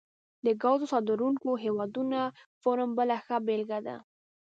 د ګازو صادرونکو هیوادونو فورم بله ښه بیلګه ده